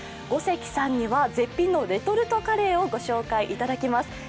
五関さんには絶品のレトルトカレーをご紹介いただきます。